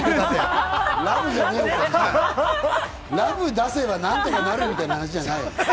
ハートじゃないよ、ラブ出せば何とかなるみたいな話じゃない！